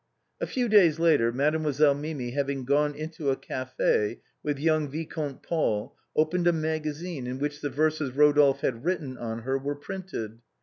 A few days later, Mademoiselle Mimi having gone into a café with young Vicomte Paul, opened a magazine, in which the verses Rodolphe had written on her were printed.